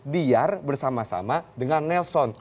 biar bersama sama dengan nelson